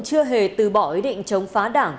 chưa hề từ bỏ ý định chống phá đảng